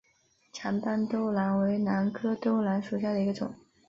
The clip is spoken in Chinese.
长瓣兜兰为兰科兜兰属下的一个种。